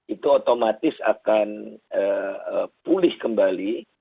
itu otomatis akan pulih kembali